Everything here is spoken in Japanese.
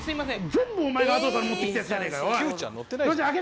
全部お前が後から持ってきたやつじゃねえかよ